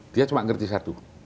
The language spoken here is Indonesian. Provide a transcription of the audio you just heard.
dia cuma ngerti satu